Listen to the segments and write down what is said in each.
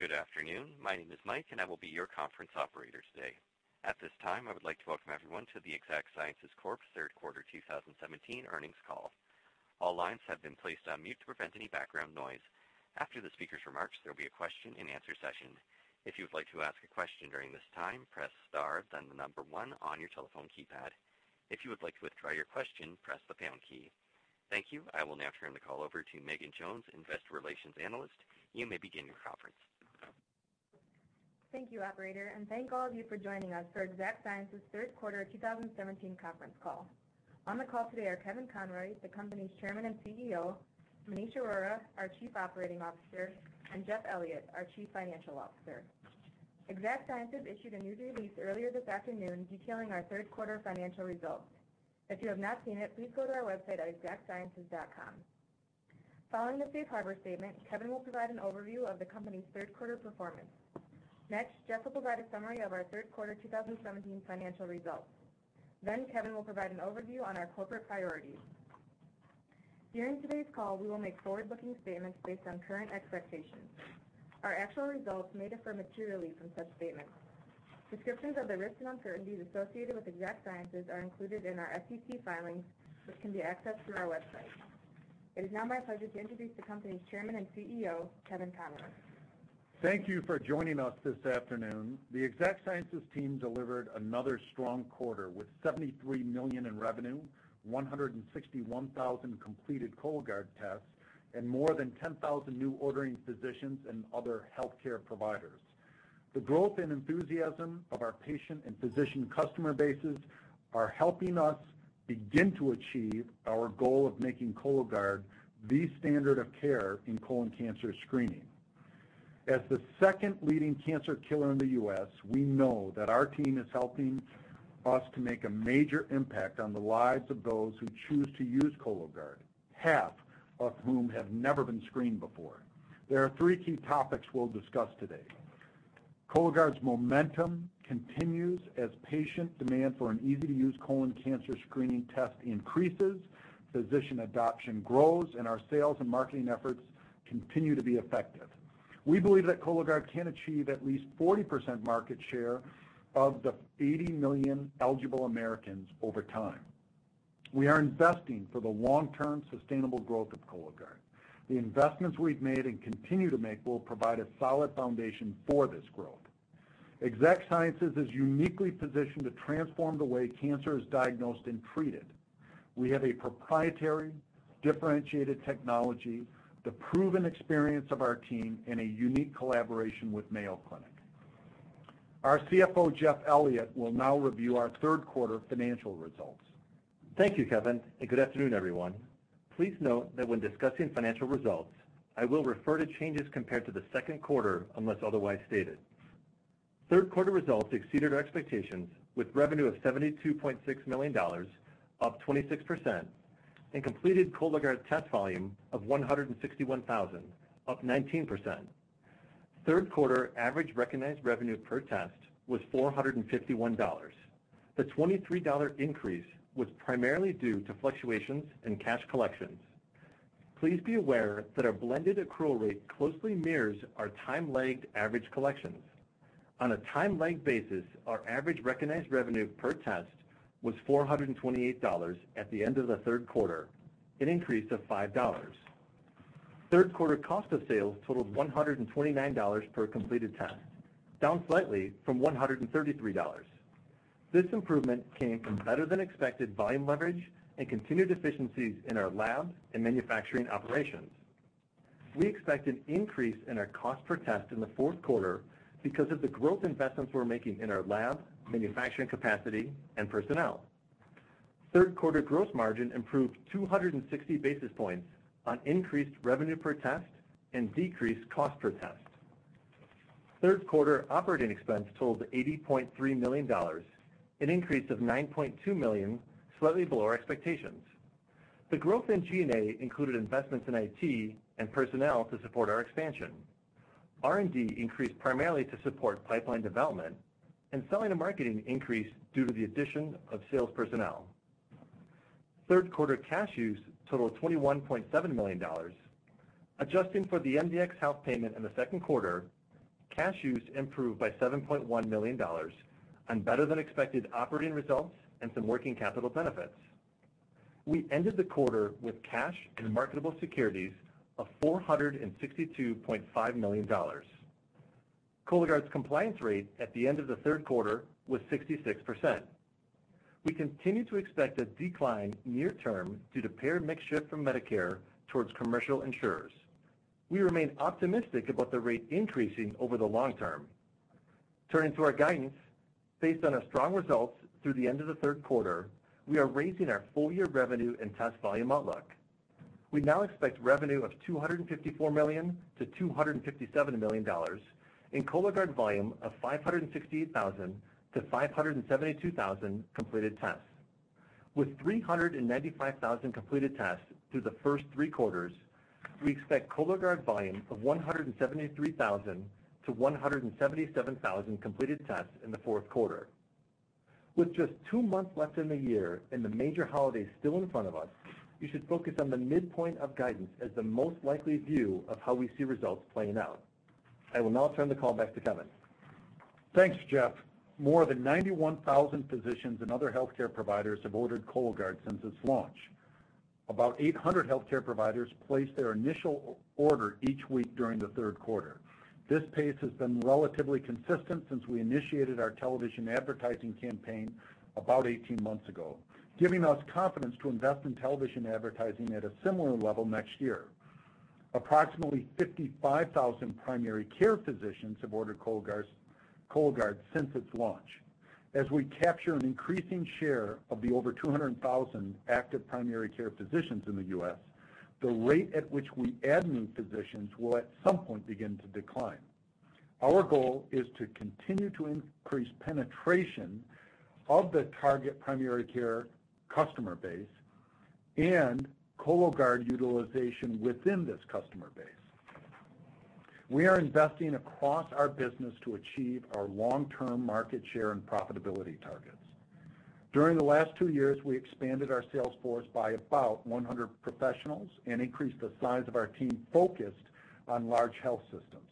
Good afternoon. My name is Mike, and I will be your conference operator today. At this time, I would like to welcome everyone to the Exact Sciences Corp's third quarter 2017 earnings call. All lines have been placed on mute to prevent any background noise. After the speaker's remarks, there will be a question-and-answer session. If you would like to ask a question during this time, press star, then the number one on your telephone keypad. If you would like to withdraw your question, press the pound key. Thank you. I will now turn the call over to Megan Jones, Investor Relations Analyst. You may begin your conference. Thank you, Operator, and thank all of you for joining us for Exact Sciences' third quarter 2017 conference call. On the call today are Kevin Conroy, the company's Chairman and CEO; Maneesh Arora, our Chief Operating Officer; and Jeff Elliott, our Chief Financial Officer. Exact Sciences issued a news release earlier this afternoon detailing our third quarter financial results. If you have not seen it, please go to our website at exactsciences.com. Following the safe harbor statement, Kevin will provide an overview of the company's third quarter performance. Next, Jeff will provide a summary of our third quarter 2017 financial results. Kevin will provide an overview on our corporate priorities. During today's call, we will make forward-looking statements based on current expectations. Our actual results may differ materially from such statements. Descriptions of the risks and uncertainties associated with Exact Sciences are included in our SEC filings, which can be accessed through our website. It is now my pleasure to introduce the company's Chairman and CEO, Kevin Conroy. Thank you for joining us this afternoon. The Exact Sciences team delivered another strong quarter with $73 million in revenue, 161,000 completed Cologuard tests, and more than 10,000 new ordering physicians and other healthcare providers. The growth and enthusiasm of our patient and physician customer bases are helping us begin to achieve our goal of making Cologuard the standard of care in colon cancer screening. As the second leading cancer killer in the U.S., we know that our team is helping us to make a major impact on the lives of those who choose to use Cologuard, half of whom have never been screened before. There are three key topics we will discuss today. Cologuard's momentum continues as patient demand for an easy-to-use colon cancer screening test increases, physician adoption grows, and our sales and marketing efforts continue to be effective. We believe that Cologuard can achieve at least 40% market share of the 80 million eligible Americans over time. We are investing for the long-term sustainable growth of Cologuard. The investments we've made and continue to make will provide a solid foundation for this growth. Exact Sciences is uniquely positioned to transform the way cancer is diagnosed and treated. We have a proprietary, differentiated technology, the proven experience of our team, and a unique collaboration with Mayo Clinic. Our CFO, Jeff Elliott, will now review our third quarter financial results. Thank you, Kevin, and good afternoon, everyone. Please note that when discussing financial results, I will refer to changes compared to the second quarter unless otherwise stated. Third quarter results exceeded our expectations with revenue of $72.6 million, up 26%, and completed Cologuard test volume of 161,000, up 19%. Third quarter average recognized revenue per test was $451. The $23 increase was primarily due to fluctuations in cash collections. Please be aware that our blended accrual rate closely mirrors our time-lagged average collections. On a time-lagged basis, our average recognized revenue per test was $428 at the end of the third quarter, an increase of $5. Third quarter cost of sales totaled $129 per completed test, down slightly from $133. This improvement came from better-than-expected volume leverage and continued efficiencies in our lab and manufacturing operations. We expect an increase in our cost per test in the fourth quarter because of the growth investments we're making in our lab, manufacturing capacity, and personnel. Third quarter gross margin improved 260 basis points on increased revenue per test and decreased cost per test. Third quarter operating expense totaled $80.3 million, an increase of $9.2 million, slightly below our expectations. The growth in G&A included investments in IT and personnel to support our expansion. R&D increased primarily to support pipeline development, and selling and marketing increased due to the addition of sales personnel. Third quarter cash use totaled $21.7 million. Adjusting for the MDX house payment in the second quarter, cash use improved by $7.1 million on better-than-expected operating results and some working capital benefits. We ended the quarter with cash and marketable securities of $462.5 million. Cologuard's compliance rate at the end of the third quarter was 66%. We continue to expect a decline near term due to payer makeshift from Medicare towards commercial insurers. We remain optimistic about the rate increasing over the long term. Turning to our guidance, based on our strong results through the end of the third quarter, we are raising our full-year revenue and test volume outlook. We now expect revenue of $254 million-$257 million and Cologuard volume of 568,000-572,000 completed tests. With 395,000 completed tests through the first three quarters, we expect Cologuard volume of 173,000-177,000 completed tests in the fourth quarter. With just two months left in the year and the major holidays still in front of us, you should focus on the midpoint of guidance as the most likely view of how we see results playing out. I will now turn the call back to Kevin. Thanks, Jeff. More than 91,000 physicians and other healthcare providers have ordered Cologuard since its launch. About 800 healthcare providers place their initial order each week during the third quarter. This pace has been relatively consistent since we initiated our television advertising campaign about 18 months ago, giving us confidence to invest in television advertising at a similar level next year. Approximately 55,000 primary care physicians have ordered Cologuard since its launch. As we capture an increasing share of the over 200,000 active primary care physicians in the U.S., the rate at which we add new physicians will at some point begin to decline. Our goal is to continue to increase penetration of the target primary care customer base and Cologuard utilization within this customer base. We are investing across our business to achieve our long-term market share and profitability targets. During the last two years, we expanded our sales force by about 100 professionals and increased the size of our team focused on large health systems.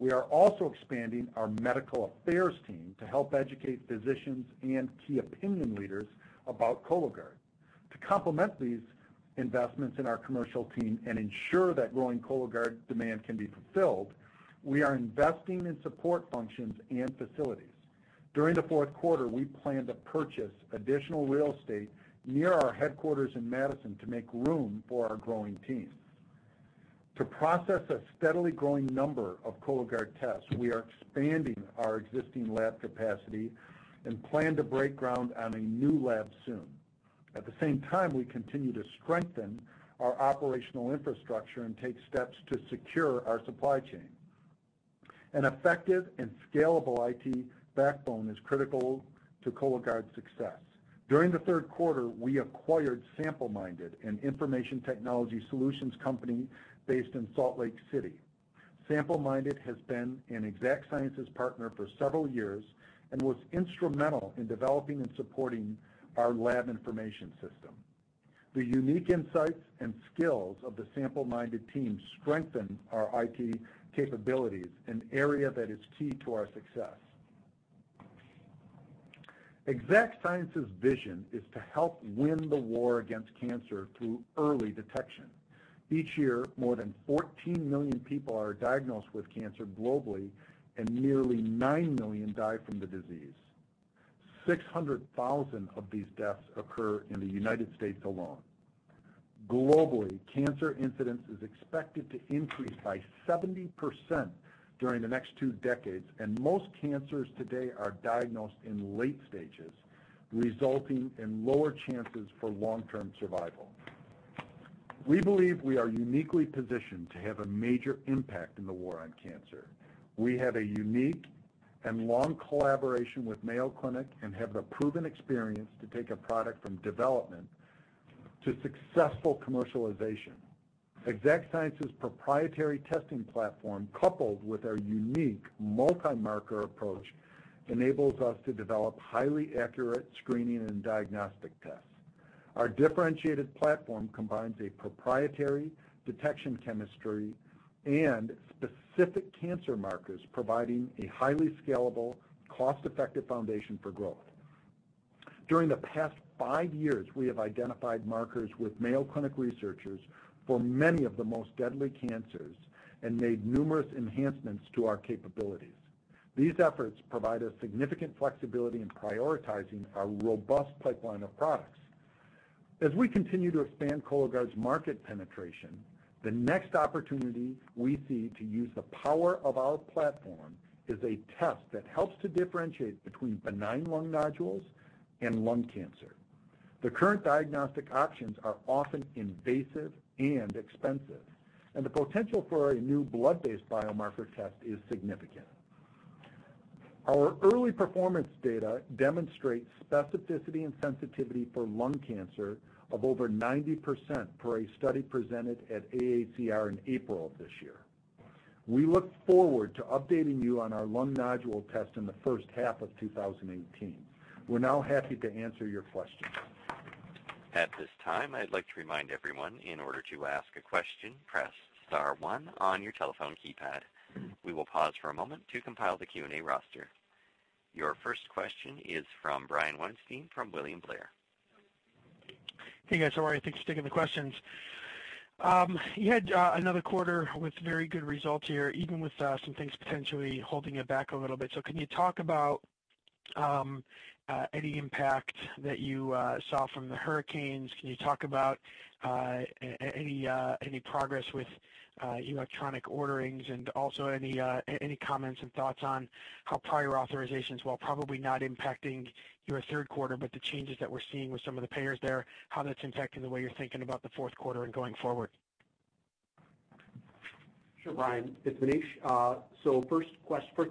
We are also expanding our medical affairs team to help educate physicians and key opinion leaders about Cologuard. To complement these investments in our commercial team and ensure that growing Cologuard demand can be fulfilled, we are investing in support functions and facilities. During the fourth quarter, we plan to purchase additional real estate near our headquarters in Madison to make room for our growing team. To process a steadily growing number of Cologuard tests, we are expanding our existing lab capacity and plan to break ground on a new lab soon. At the same time, we continue to strengthen our operational infrastructure and take steps to secure our supply chain. An effective and scalable IT backbone is critical to Cologuard's success. During the third quarter, we acquired Sampleminded, an information technology solutions company based in Salt Lake City. Sampleminded has been an Exact Sciences partner for several years and was instrumental in developing and supporting our lab information system. The unique insights and skills of the Sampleminded team strengthen our IT capabilities, an area that is key to our success. Exact Sciences' vision is to help win the war against cancer through early detection. Each year, more than 14 million people are diagnosed with cancer globally, and nearly 9 million die from the disease. 600,000 of these deaths occur in the United States alone. Globally, cancer incidence is expected to increase by 70% during the next two decades, and most cancers today are diagnosed in late stages, resulting in lower chances for long-term survival. We believe we are uniquely positioned to have a major impact in the war on cancer. We have a unique and long collaboration with Mayo Clinic and have the proven experience to take a product from development to successful commercialization. Exact Sciences' proprietary testing platform, coupled with our unique multi-marker approach, enables us to develop highly accurate screening and diagnostic tests. Our differentiated platform combines a proprietary detection chemistry and specific cancer markers, providing a highly scalable, cost-effective foundation for growth. During the past five years, we have identified markers with Mayo Clinic researchers for many of the most deadly cancers and made numerous enhancements to our capabilities. These efforts provide us significant flexibility in prioritizing our robust pipeline of products. As we continue to expand Cologuard's market penetration, the next opportunity we see to use the power of our platform is a test that helps to differentiate between benign lung nodules and lung cancer. The current diagnostic options are often invasive and expensive, and the potential for a new blood-based biomarker test is significant. Our early performance data demonstrate specificity and sensitivity for lung cancer of over 90% for a study presented at AACR in April of this year. We look forward to updating you on our lung nodule test in the first half of 2018. We're now happy to answer your questions. At this time, I'd like to remind everyone, in order to ask a question, press star one on your telephone keypad. We will pause for a moment to compile the Q&A roster. Your first question is from Brian Weinstein from William Blair. Hey, guys. How are you? Thanks for taking the questions. You had another quarter with very good results here, even with some things potentially holding you back a little bit. Can you talk about any impact that you saw from the hurricanes? Can you talk about any progress with electronic orderings and also any comments and thoughts on how prior authorizations, while probably not impacting your third quarter, but the changes that we're seeing with some of the payers there, how that's impacting the way you're thinking about the fourth quarter and going forward? Sure, Brian. It's Maneesh. First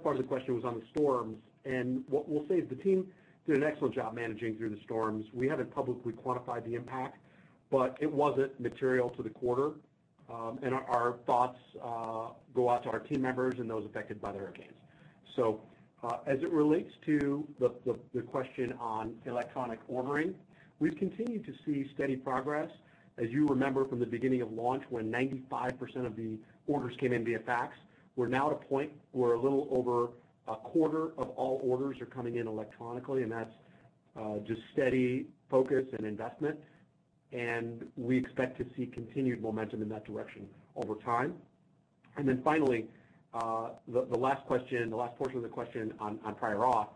part of the question was on the storms, and we'll say the team did an excellent job managing through the storms. We haven't publicly quantified the impact, but it wasn't material to the quarter, and our thoughts go out to our team members and those affected by the hurricanes. As it relates to the question on electronic ordering, we've continued to see steady progress. As you remember from the beginning of launch, when 95% of the orders came in via fax, we're now at a point where a little over a quarter of all orders are coming in electronically, and that's just steady focus and investment, and we expect to see continued momentum in that direction over time. Finally, the last question, the last portion of the question on prior auth,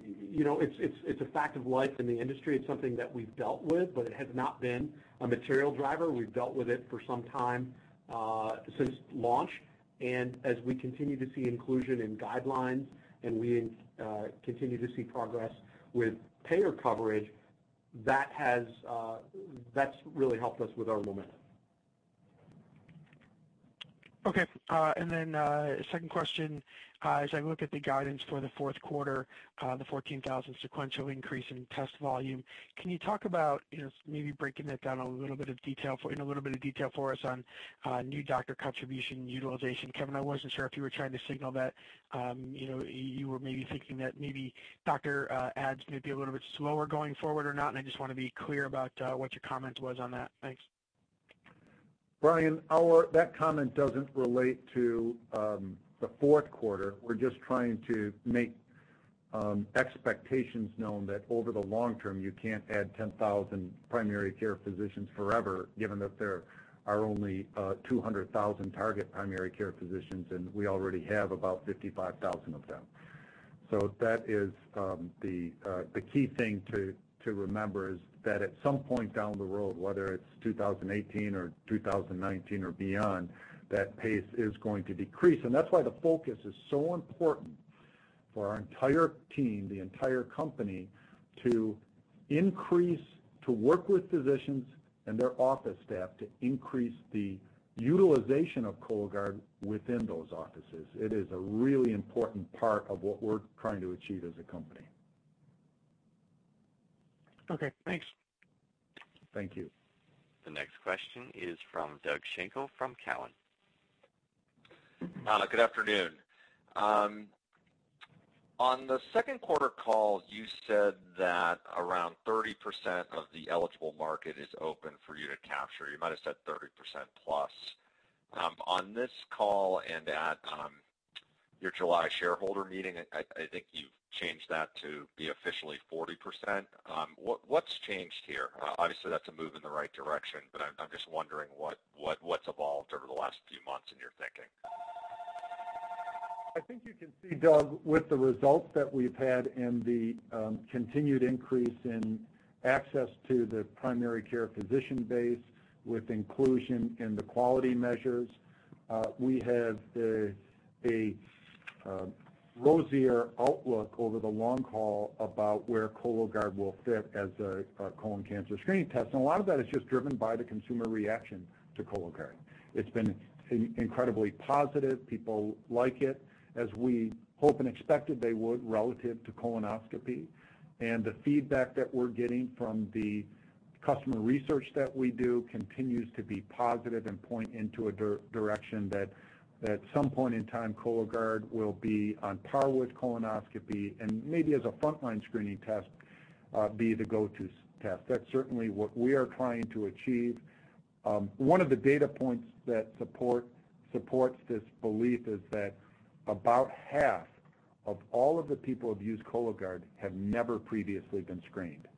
it's a fact of life in the industry. It's something that we've dealt with, but it has not been a material driver. We've dealt with it for some time since launch, and as we continue to see inclusion in guidelines and we continue to see progress with payer coverage, that's really helped us with our momentum. Okay. Then second question, as I look at the guidance for the fourth quarter, the 14,000 sequential increase in test volume, can you talk about maybe breaking that down in a little bit of detail for us on new doctor contribution utilization? Kevin, I wasn't sure if you were trying to signal that you were maybe thinking that maybe doctor adds may be a little bit slower going forward, or not, and I just want to be clear about what your comment was on that. Thanks. Brian, that comment does not relate to the fourth quarter. We are just trying to make expectations known that, over the long term, you cannot add 10,000 primary care physicians forever, given that there are only 200,000 target primary care physicians, and we already have about 55,000 of them. The key thing to remember is that at some point down the road, whether it is 2018 or 2019 or beyond, that pace is going to decrease. That is why the focus is so important for our entire team, the entire company, to work with physicians and their office staff to increase the utilization of Cologuard within those offices. It is a really important part of what we are trying to achieve as a company. Okay. Thanks. Thank you. The next question is from Doug Schenkel from Cowen. Good afternoon. On the second quarter call, you said that around 30% of the eligible market is open for you to capture. You might have said 30% plus. On this call and at your July shareholder meeting, I think you've changed that to be officially 40%. What's changed here? Obviously, that's a move in the right direction, but I'm just wondering what's evolved over the last few months in your thinking. I think you can see, Doug, with the results that we've had and the continued increase in access to the primary care physician base with inclusion in the quality measures, we have a rosier outlook over the long haul about where Cologuard will fit as a colon cancer screening test. A lot of that is just driven by the consumer reaction to Cologuard. It's been incredibly positive. People like it, as we hope and expected they would relative to colonoscopy. The feedback that we're getting from the customer research that we do continues to be positive and point into a direction that at some point in time, Cologuard will be on par with colonoscopy and maybe as a frontline screening test be the go-to test. That's certainly what we are trying to achieve. One of the data points that supports this belief is that about half of all of the people who have used Cologuard have never previously been screened.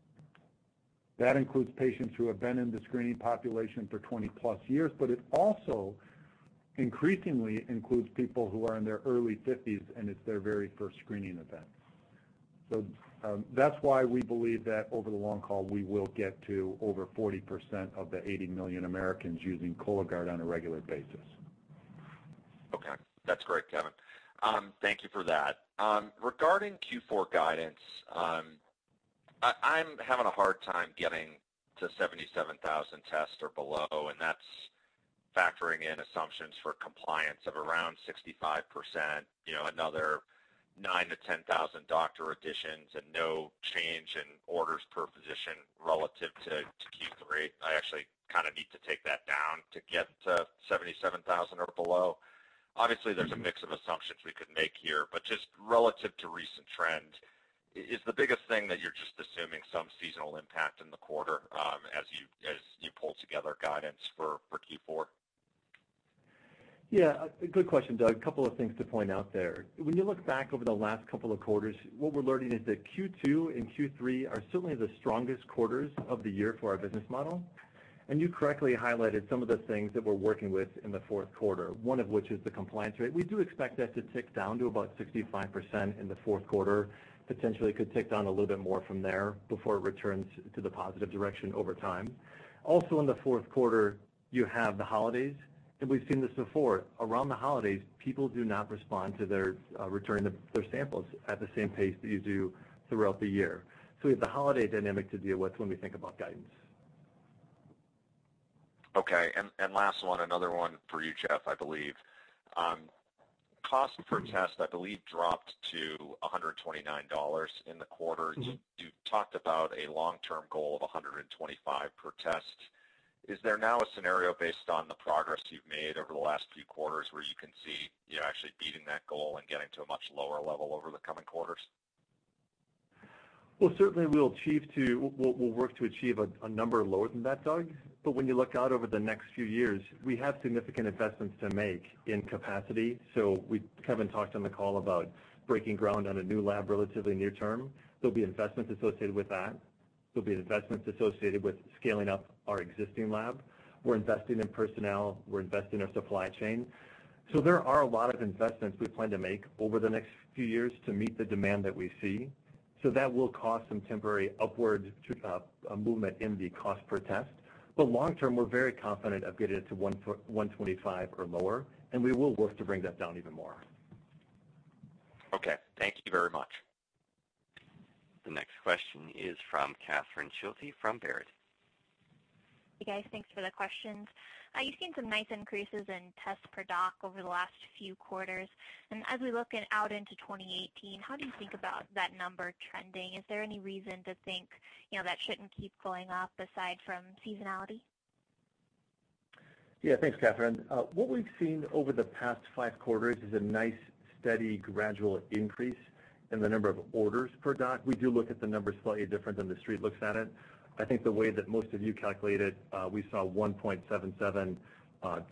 That includes patients who have been in the screening population for 20-plus years, but it also increasingly includes people who are in their early 50s, and it's their very first screening event. That is why we believe that over the long haul, we will get to over 40% of the 80 million Americans using Cologuard on a regular basis. Okay. That's great, Kevin. Thank you for that. Regarding Q4 guidance, I'm having a hard time getting to 77,000 tests or below, and that's factoring in assumptions for compliance of around 65%, another 9,000-10,000 doctor additions, and no change in orders per physician relative to Q3. I actually kind of need to take that down to get to 77,000 or below. Obviously, there's a mix of assumptions we could make here, but just relative to recent trend, is the biggest thing that you're just assuming some seasonal impact in the quarter as you pull together guidance for Q4? Yeah. Good question, Doug. A couple of things to point out there. When you look back over the last couple of quarters, what we're learning is that Q2 and Q3 are certainly the strongest quarters of the year for our business model. You correctly highlighted some of the things that we're working with in the fourth quarter, one of which is the compliance rate. We do expect that to tick down to about 65% in the fourth quarter. Potentially, it could tick down a little bit more from there before it returns to the positive direction over time. Also, in the fourth quarter, you have the holidays, and we've seen this before. Around the holidays, people do not respond to their samples at the same pace that you do throughout the year. We have the holiday dynamic to deal with when we think about guidance. Okay. Last one, another one for you, Jeff, I believe. Cost per test, I believe, dropped to $129 in the quarter. You talked about a long-term goal of $125 per test. Is there now a scenario based on the progress you've made over the last few quarters where you can see you're actually beating that goal and getting to a much lower level over the coming quarters? Certainly, we'll work to achieve a number lower than that, Doug. When you look out over the next few years, we have significant investments to make in capacity. We've kind of been talking on the call about breaking ground on a new lab relatively near term. There'll be investments associated with that. There'll be investments associated with scaling up our existing lab. We're investing in personnel. We're investing in our supply chain. There are a lot of investments we plan to make over the next few years to meet the demand that we see. That will cause some temporary upward movement in the cost per test. Long term, we're very confident of getting it to $125 or lower, and we will work to bring that down even more. Okay. Thank you very much. The next question is from Catherine Schulte from Baird. Hey, guys. Thanks for the questions. You've seen some nice increases in tests per doc over the last few quarters. As we look out into 2018, how do you think about that number trending? Is there any reason to think that shouldn't keep going up aside from seasonality? Yeah. Thanks, Catherine. What we've seen over the past five quarters is a nice, steady, gradual increase in the number of orders per doc. We do look at the number slightly different than the street looks at it. I think the way that most of you calculate it, we saw 1.77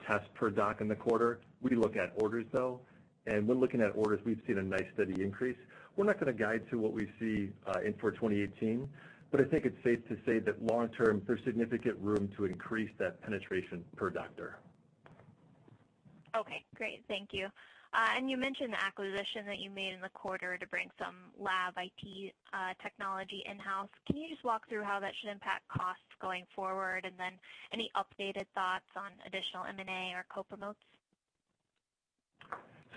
tests per doc in the quarter. We look at orders, though. And when looking at orders, we've seen a nice steady increase. We're not going to guide to what we see in for 2018, but I think it's safe to say that long term, there's significant room to increase that penetration per doctor. Okay. Great. Thank you. You mentioned the acquisition that you made in the quarter to bring some lab IT technology in-house. Can you just walk through how that should impact costs going forward, and then any updated thoughts on additional M&A or co-promotes?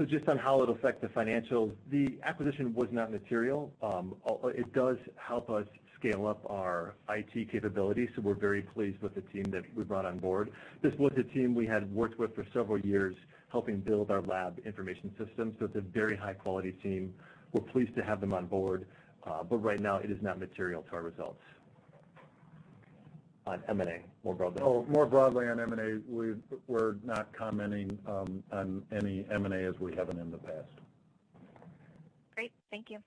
Just on how it'll affect the financials, the acquisition was not material. It does help us scale up our IT capabilities, so we're very pleased with the team that we brought on board. This was a team we had worked with for several years, helping build our lab information system. It's a very high-quality team. We're pleased to have them on board, but right now, it is not material to our results on M&A more broadly. Oh, more broadly on M&A, we're not commenting on any M&A as we have in the past. Great. Thank you.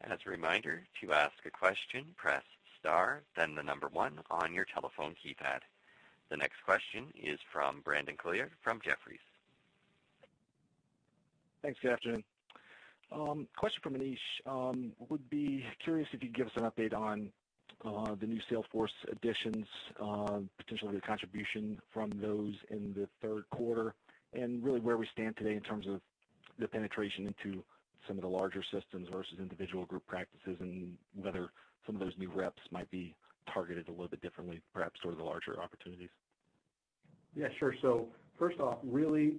As a reminder, to ask a question, press star, then the number one on your telephone keypad. The next question is from Brandon Couillard from Jefferies. Thanks. Good afternoon. Question for Maneesh. Would be curious if you'd give us an update on the new Salesforce additions, potentially the contribution from those in the third quarter, and really where we stand today in terms of the penetration into some of the larger systems versus individual group practices, and whether some of those new reps might be targeted a little bit differently, perhaps toward the larger opportunities. Yeah. Sure. First off, really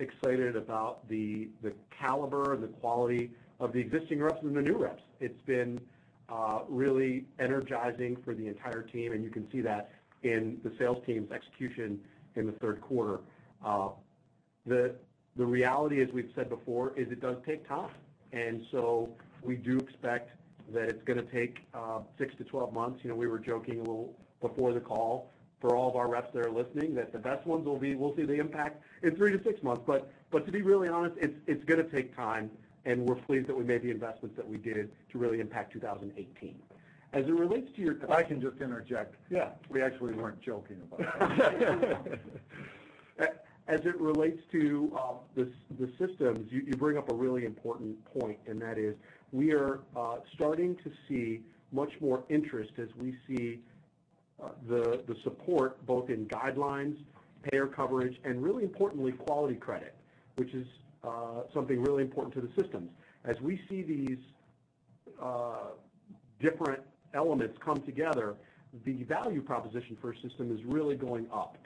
excited about the caliber and the quality of the existing reps and the new reps. It's been really energizing for the entire team, and you can see that in the sales team's execution in the third quarter. The reality, as we've said before, is it does take time. We do expect that it's going to take 6-12 months. We were joking a little before the call for all of our reps that are listening that the best ones will be, we'll see the impact in 3-6 months. To be really honest, it's going to take time, and we're pleased that we made the investments that we did to really impact 2018. As it relates to your question. I can just interject. We actually weren't joking about that. As it relates to the systems, you bring up a really important point, and that is, we are starting to see much more interest as we see the support both in guidelines, payer coverage, and, really, importantly, quality credit, which is something really important to the systems. As we see these different elements come together, the value proposition for a system is really going up.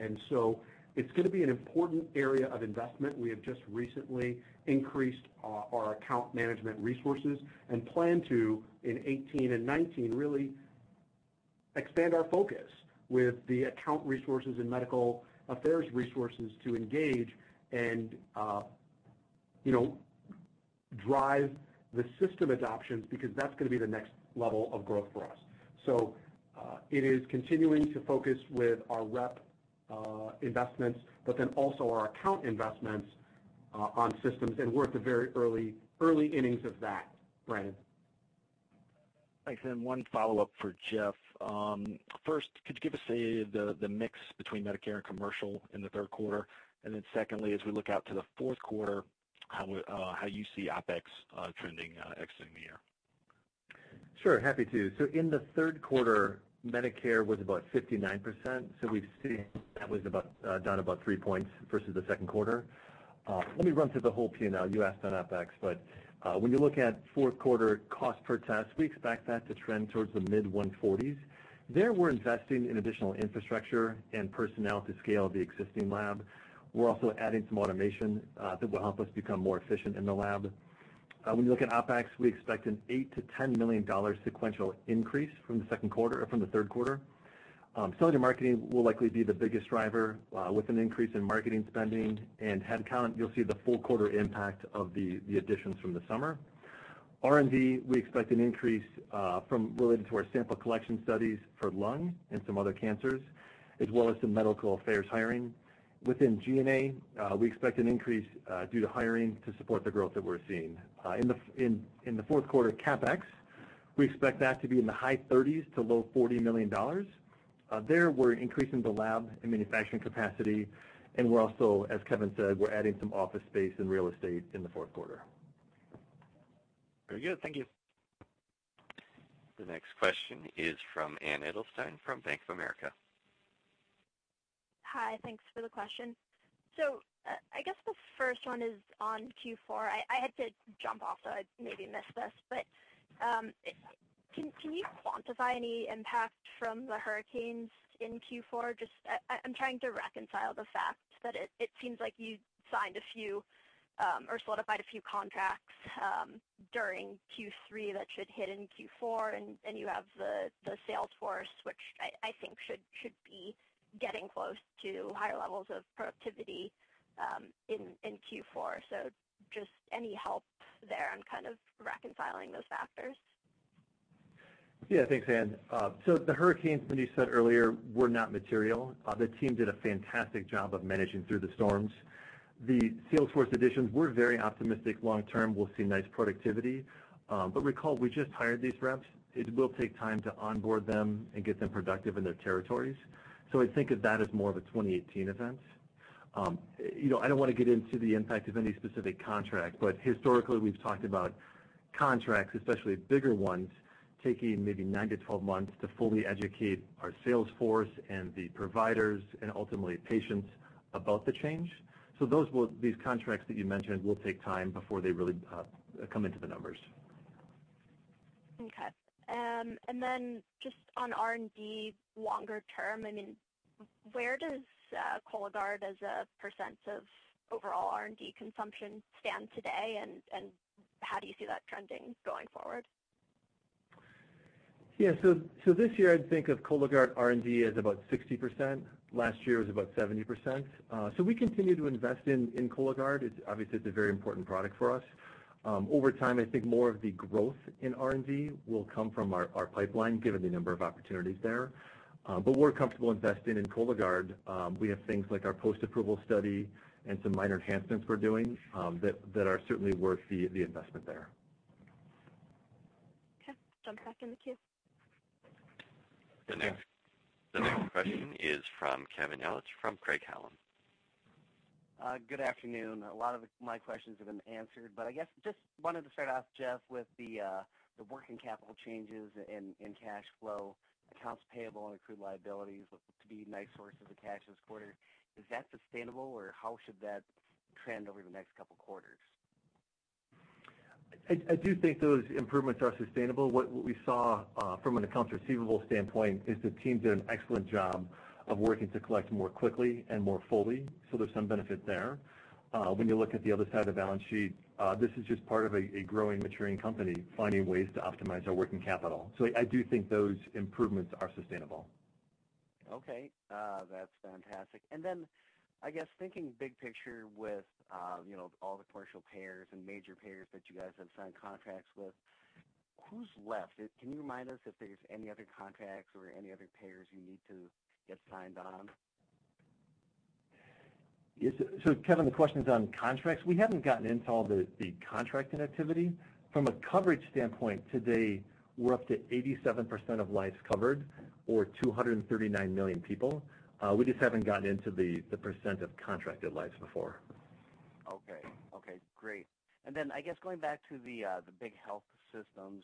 It is going to be an important area of investment. We have just recently increased our account management resources and plan to, in 2018 and 2019, really expand our focus with the account resources and medical affairs resources to engage and drive the system adoptions because that is going to be the next level of growth for us. It is continuing to focus with our rep investments, but then also our account investments on systems, and we're at the very early innings of that, Brandon. Thanks. One follow-up for Jeff. First, could you give us the mix between Medicare and commercial in the third quarter? Secondly, as we look out to the fourth quarter, how do you see OpEx trending exiting the year? Sure. Happy to. In the third quarter, Medicare was about 59%. That was down about three percentage points versus the second quarter. Let me run through the whole P&L. You asked on OpEx, but when you look at fourth quarter cost per test, we expect that to trend towards the mid-$140s. There, we are investing in additional infrastructure and personnel to scale the existing lab. We are also adding some automation that will help us become more efficient in the lab. When you look at OpEx, we expect an $8 million-$10 million sequential increase from the second quarter or from the third quarter. Selling and marketing will likely be the biggest driver with an increase in marketing spending. In headcount, you will see the full quarter impact of the additions from the summer. R&D, we expect an increase related to our sample collection studies for lung and some other cancers, as well as some medical affairs hiring. Within G&A, we expect an increase due to hiring to support the growth that we're seeing. In the fourth quarter, CapEx, we expect that to be in the high $30 million to low $40 million. There we're increasing the lab and manufacturing capacity, and we're also, as Kevin said, we're adding some office space and real estate in the fourth quarter. Very good. Thank you. The next question is from Anne Edelstein from Bank of America. Hi. Thanks for the question. I guess the first one is on Q4. I had to jump off, so I maybe missed this, but can you quantify any impact from the hurricanes in Q4? I'm trying to reconcile the fact that it seems like you signed a few or solidified a few contracts during Q3 that should hit in Q4, and you have the Salesforce, which I think should be getting close to higher levels of productivity in Q4. Just any help there on kind of reconciling those factors? Yeah. Thanks, Anne. The hurricanes, when you said earlier, were not material. The team did a fantastic job of managing through the storms. The Salesforce additions, we're very optimistic long term. We'll see nice productivity. Recall, we just hired these reps. It will take time to onboard them and get them productive in their territories. I think of that as more of a 2018 event. I don't want to get into the impact of any specific contract, but historically, we've talked about contracts, especially bigger ones, taking maybe 9-12 months to fully educate our Salesforce and the providers, and ultimately patients about the change. These contracts that you mentioned will take time before they really come into the numbers. Okay. And then just on R&D longer term, I mean, where does Cologuard as a percent of overall R&D consumption stand today, and how do you see that trending going forward? Yeah. This year, I'd think of Cologuard R&D as about 60%. Last year was about 70%. We continue to invest in Cologuard. Obviously, it's a very important product for us. Over time, I think more of the growth in R&D will come from our pipeline, given the number of opportunities there. We are comfortable investing in Cologuard. We have things like our post-approval study and some minor enhancements we're doing that are certainly worth the investment there. Okay. Jump back in the queue. The next question is from Kevin Ellich from Craig-Hallum. Good afternoon. A lot of my questions have been answered, but I guess just wanted to start off, Jeff, with the working capital changes and cash flow, accounts payable, and accrued liabilities to be nice sources of cash this quarter. Is that sustainable, or how should that trend over the next couple of quarters? I do think those improvements are sustainable. What we saw from an accounts receivable standpoint is the team did an excellent job of working to collect more quickly and more fully, so there's some benefit there. When you look at the other side of the balance sheet, this is just part of a growing, maturing company finding ways to optimize our working capital. I do think those improvements are sustainable. Okay. That's fantastic. I guess thinking big picture with all the commercial payers and major payers that you guys have signed contracts with, who's left? Can you remind us if there's any other contracts or any other payers you need to get signed on? Kevin, the question's on contracts. We haven't gotten into all the contracting activity. From a coverage standpoint today, we're up to 87% of life covered or 239 million people. We just haven't gotten into the percent of contracted lives before. Okay. Okay. Great. And then I guess going back to the big health systems,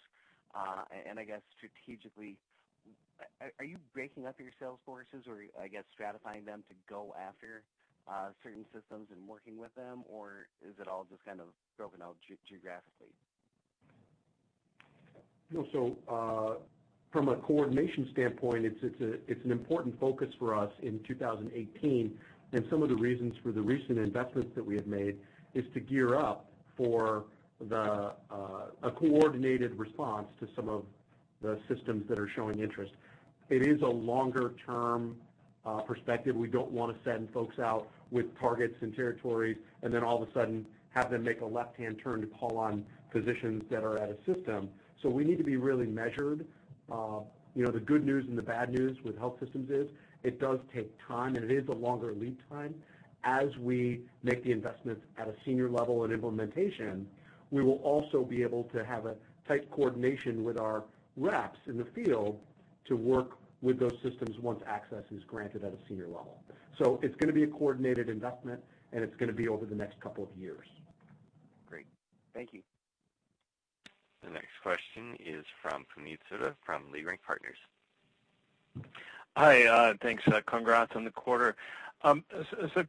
and I guess strategically, are you breaking up your Salesforces or I guess stratifying them to go after certain systems and working with them, or is it all just kind of broken out geographically? From a coordination standpoint, it's an important focus for us in 2018. Some of the reasons for the recent investments that we have made is to gear up for a coordinated response to some of the systems that are showing interest. It is a longer-term perspective. We don't want to send folks out with targets and territories, and then all of a sudden have them make a left-hand turn to call on physicians that are out of system. We need to be really measured. The good news and the bad news with health systems is it does take time, and it is a longer lead time. As we make the investments at a senior level and implementation, we will also be able to have a tight coordination with our reps in the field to work with those systems once access is granted at a senior level. It's going to be a coordinated investment, and it's going to be over the next couple of years. Great. Thank you. The next question is from Puneet Souda from Leerink Partners. Hi. Thanks. Congrats on the quarter.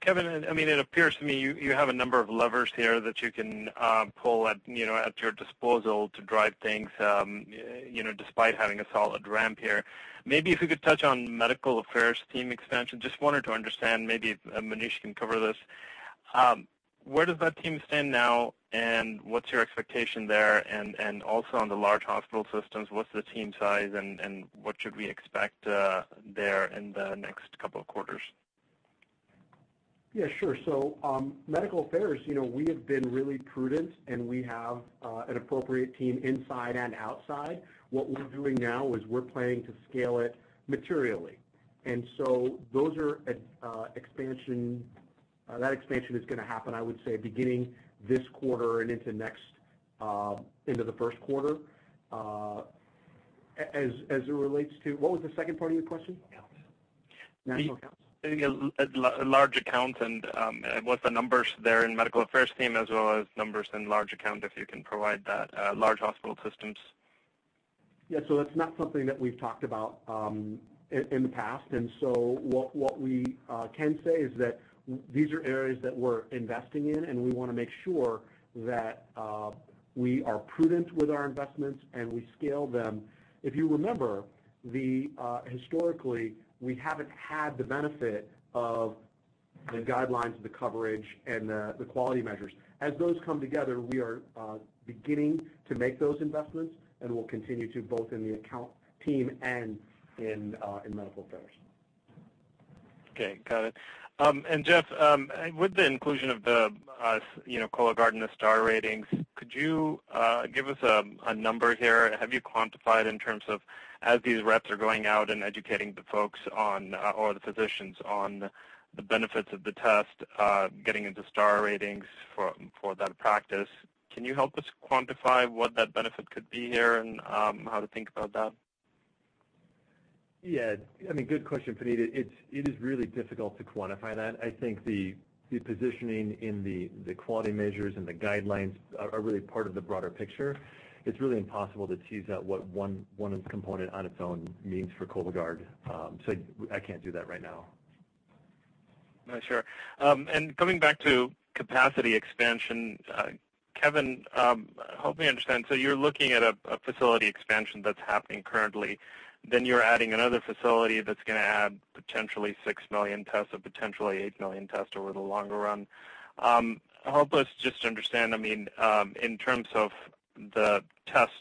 Kevin, I mean, it appears to me you have a number of levers here that you can pull at your disposal to drive things despite having a solid ramp here. Maybe if you could touch on medical affairs team expansion. Just wanted to understand. Maybe Maneesh can cover this. Where does that team stand now, and what's your expectation there? Also, on the large hospital systems, what's the team size, and what should we expect there in the next couple of quarters? Yeah. Sure. Medical affairs, we have been really prudent, and we have an appropriate team inside and outside. What we're doing now is we're planning to scale it materially. That expansion is going to happen, I would say, beginning this quarter and into the first quarter. As it relates to what was the second part of your question? National accounts. Again, large account. What's the numbers there in medical affairs team, as well as numbers in large account if you can provide that? Large hospital systems. Yeah. That is not something that we have talked about in the past. What we can say is that these are areas that we are investing in, and we want to make sure that we are prudent with our investments and we scale them. If you remember, historically, we have not had the benefit of the guidelines, the coverage, and the quality measures. As those come together, we are beginning to make those investments, and we will continue to both in the account team and in medical affairs. Okay. Got it. Jeff, with the inclusion of the Cologuard and the STAR ratings, could you give us a number here? Have you quantified in terms of as these reps are going out and educating the folks or the physicians on the benefits of the test, getting into STAR ratings for that practice? Can you help us quantify what that benefit could be here and how to think about that? Yeah. I mean, good question, Puneet. It is really difficult to quantify that. I think the positioning in the quality measures and the guidelines are really part of the broader picture. It's really impossible to tease out what one component on its own means for Cologuard. So I can't do that right now. Sure. Coming back to capacity expansion, Kevin, help me understand. You are looking at a facility expansion that is happening currently. You are adding another facility that is going to add potentially 6 million tests or potentially 8 million tests over the longer run. Help us just understand, I mean, in terms of the test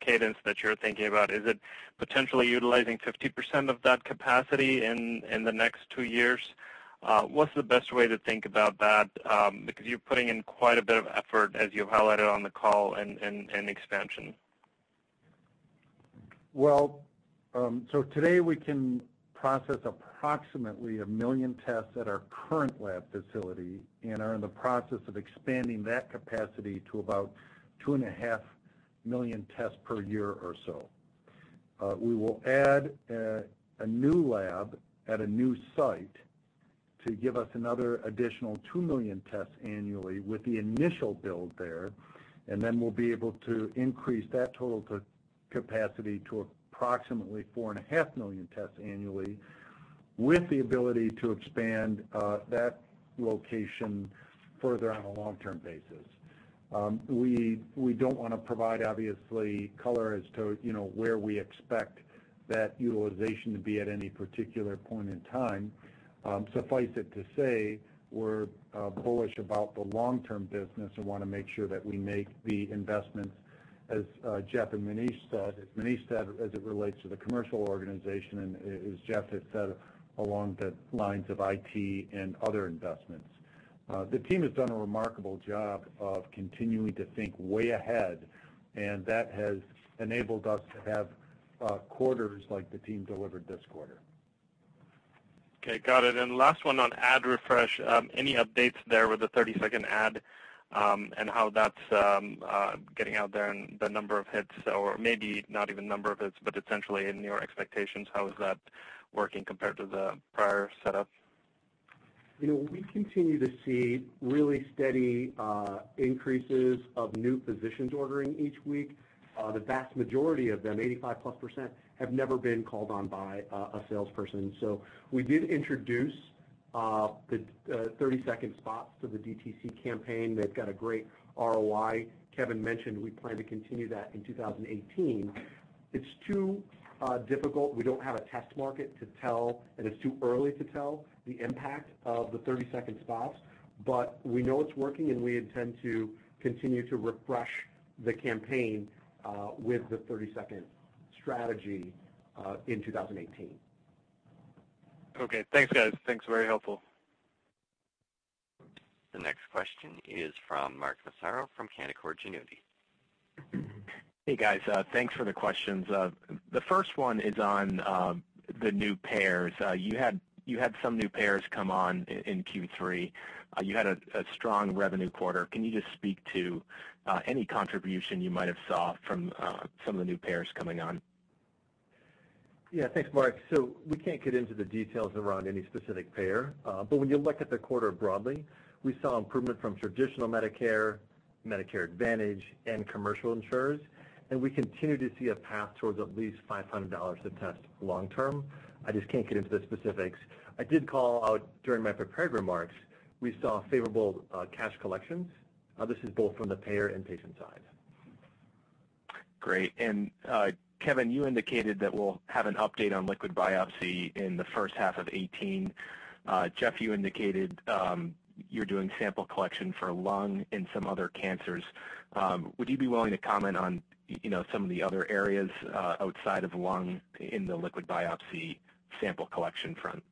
cadence that you are thinking about, is it potentially utilizing 50% of that capacity in the next two years? What is the best way to think about that? You are putting in quite a bit of effort, as you have highlighted on the call, in expansion. Today, we can process approximately 1 million tests at our current lab facility and are in the process of expanding that capacity to about 2.5 million tests per year or so. We will add a new lab at a new site to give us another additional 2 million tests annually with the initial build there. We will be able to increase that total capacity to approximately 4.5 million tests annually with the ability to expand that location further on a long-term basis. We do not want to provide, obviously, color as to where we expect that utilization to be at any particular point in time. Suffice it to say, we're bullish about the long-term business and want to make sure that we make the investments, as Jeff and Maneesh said, as Maneesh said, as it relates to the commercial organization and as Jeff had said, along the lines of IT and other investments. The team has done a remarkable job of continuing to think way ahead, and that has enabled us to have quarters like the team delivered this quarter. Okay. Got it. Last one on ad refresh. Any updates there with the 30-second ad and how that's getting out there and the number of hits, or maybe not even number of hits, but essentially in your expectations? How is that working compared to the prior setup? We continue to see really steady increases of new physicians ordering each week. The vast majority of them, 85%+, have never been called on by a salesperson. We did introduce the 30-second spots to the DTC campaign. They've got a great ROI. Kevin mentioned we plan to continue that in 2018. It's too difficult. We do not have a test market to tell, and it's too early to tell the impact of the 30-second spots. We know it's working, and we intend to continue to refresh the campaign with the 30-second strategy in 2018. Okay. Thanks, guys. Thanks. Very helpful. The next question is from Marc Marano from Canaccord Genuity. Hey, guys. Thanks for the questions. The first one is on the new payers. You had some new payers come on in Q3. You had a strong revenue quarter. Can you just speak to any contribution you might have saw from some of the new payers coming on? Yeah. Thanks, Marc. We can't get into the details around any specific payer. When you look at the quarter broadly, we saw improvement from traditional Medicare, Medicare Advantage, and commercial insurers. We continue to see a path towards at least $500 a test long-term. I just can't get into the specifics. I did call out during my prepared remarks, we saw favorable cash collections. This is both from the payer and patient side. Great. Kevin, you indicated that we'll have an update on liquid biopsy in the first half of 2018. Jeff, you indicated you're doing sample collection for lung and some other cancers. Would you be willing to comment on some of the other areas outside of lung in the liquid biopsy sample collection front?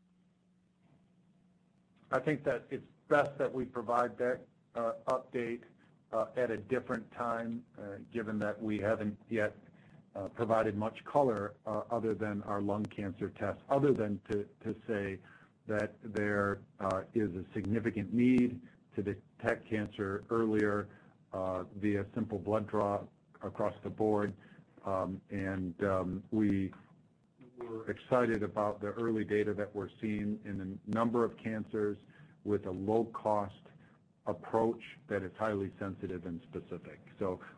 I think that it's best that we provide that update at a different time given that we haven't yet provided much color other than our lung cancer tests, other than to say that there is a significant need to detect cancer earlier via simple blood draw across the board. We're excited about the early data that we're seeing in a number of cancers with a low-cost approach that is highly sensitive and specific.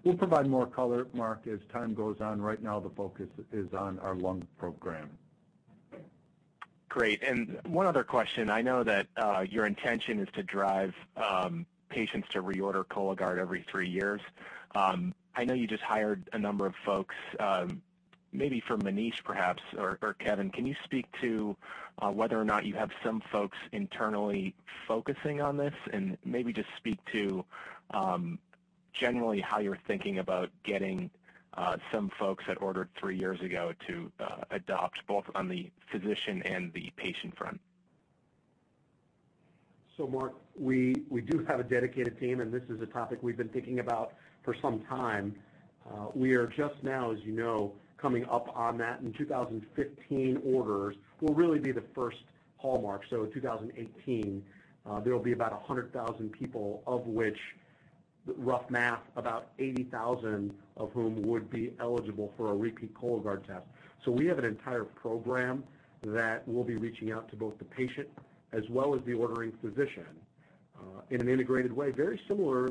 We'll provide more color, Marc, as time goes on. Right now, the focus is on our lung program. Great. One other question. I know that your intention is to drive patients to reorder Cologuard every three years. I know you just hired a number of folks, maybe for Maneesh, perhaps or Kevin. Can you speak to whether or not you have some folks internally focusing on this? Maybe just speak to generally how you're thinking about getting some folks that ordered three years ago to adopt both on the physician and the patient front. Marc, we do have a dedicated team, and this is a topic we've been thinking about for some time. We are just now, as you know, coming up on that. 2015 orders will really be the first hallmark. In 2018, there will be about 100,000 people, of which rough math about 80,000 of whom would be eligible for a repeat Cologuard test. We have an entire program that we'll be reaching out to both the patient as well as the ordering physician in an integrated way, very similar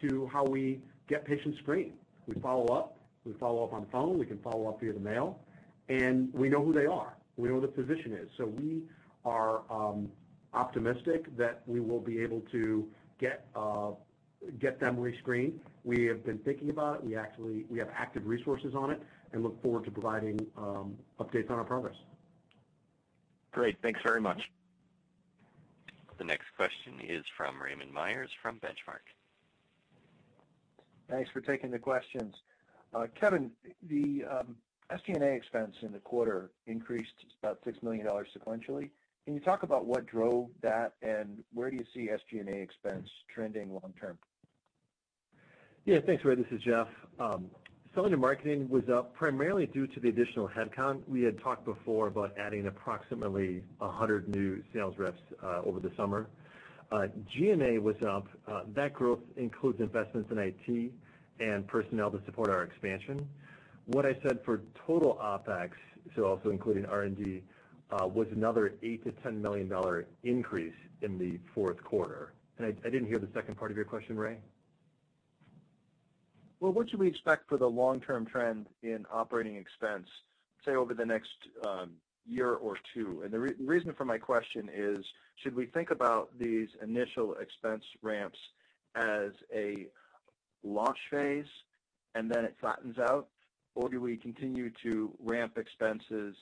to how we get patients screened. We follow up. We follow up on the phone. We can follow up via the mail. We know who they are. We know who the physician is. We are optimistic that we will be able to get them rescreened. We have been thinking about it. We have active resources on it and look forward to providing updates on our progress. Great. Thanks very much. The next question is from Raymond Myers from Benchmark. Thanks for taking the questions. Kevin, the SG&A expense in the quarter increased about $6 million sequentially. Can you talk about what drove that, and where do you see SG&A expense trending long-term? Yeah. Thanks, Ray. This is Jeff. Selling and marketing was up primarily due to the additional headcount. We had talked before about adding approximately 100 new sales reps over the summer. G&A was up. That growth includes investments in IT and personnel to support our expansion. What I said for total OpEx, so also including R&D, was another $8 million-$10 million increase in the fourth quarter. I didn't hear the second part of your question, Ray. What should we expect for the long-term trend in operating expense, say, over the next year or two? The reason for my question is, should we think about these initial expense ramps as a launch phase and then it flattens out, or do we continue to ramp expenses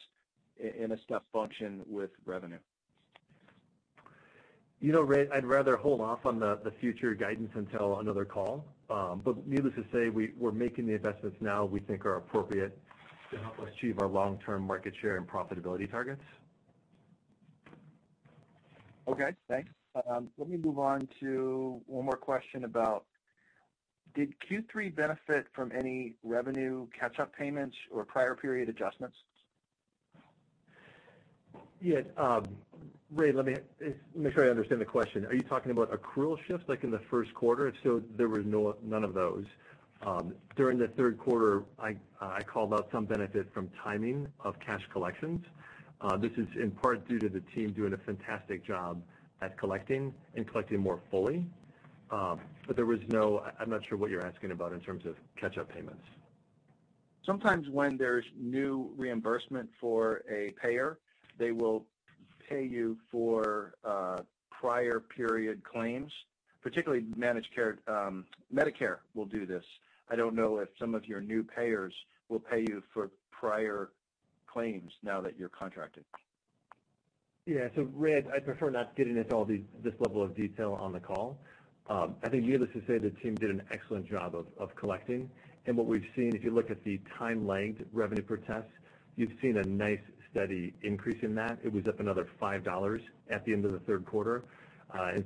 in a step function with revenue? You know, Ray, I'd rather hold off on the future guidance until another call. Needless to say, we're making the investments now we think are appropriate to help us achieve our long-term market share and profitability targets. Okay. Thanks. Let me move on to one more question about did Q3 benefit from any revenue catch-up payments or prior period adjustments? Yeah. Ray, let me make sure I understand the question. Are you talking about accrual shifts like in the first quarter? If so, there were none of those. During the third quarter, I called out some benefit from timing of cash collections. This is in part due to the team doing a fantastic job at collecting and collecting more fully. There was no—I am not sure what you are asking about in terms of catch-up payments. Sometimes, when there's new reimbursement for a payer, they will pay you for prior period claims. Particularly, Medicare will do this. I don't know if some of your new payers will pay you for prior claims now that you're contracted. Yeah. Ray, I'd prefer not getting into all this level of detail on the call. I think needless to say, the team did an excellent job of collecting. What we've seen, if you look at the time lagged revenue per test, you've seen a nice steady increase in that. It was up another $5 at the end of the third quarter.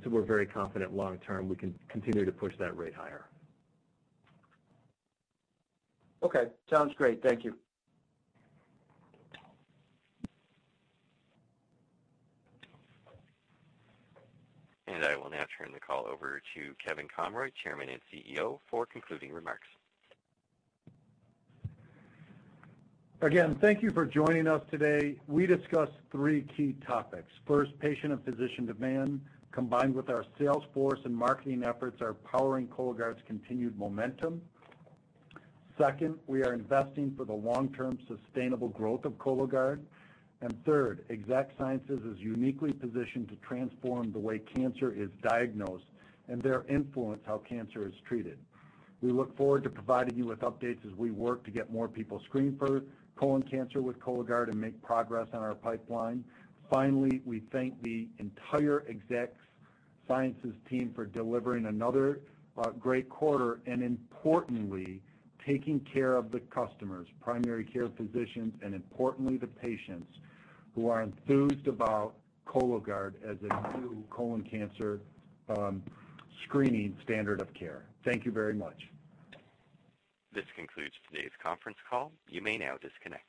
We're very confident long-term we can continue to push that rate higher. Okay. Sounds great. Thank you. I will now turn the call over to Kevin Conroy, Chairman and CEO, for concluding remarks. Again, thank you for joining us today. We discussed three key topics. First, patient and physician demand combined with our Salesforce and marketing efforts are powering Cologuard's continued momentum. Second, we are investing for the long-term sustainable growth of Cologuard. Third, Exact Sciences is uniquely positioned to transform the way cancer is diagnosed and their influence on how cancer is treated. We look forward to providing you with updates as we work to get more people screened for colon cancer with Cologuard and make progress on our pipeline. Finally, we thank the entire Exact Sciences team for delivering another great quarter and, importantly, taking care of the customers, primary care physicians, and, importantly, the patients who are enthused about Cologuard as a new colon cancer screening standard of care. Thank you very much. This concludes today's conference call. You may now disconnect.